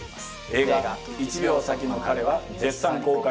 映画『１秒先の彼』は絶賛公開中です。